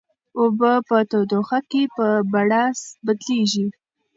اوبه په تودوخه کې په بړاس بدلیږي.